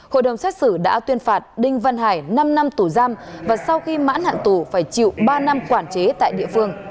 hội đồng xét xử đã tuyên phạt đinh văn hải năm năm tù giam và sau khi mãn hạn tù phải chịu ba năm quản chế tại địa phương